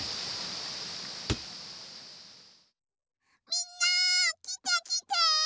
みんなきてきて！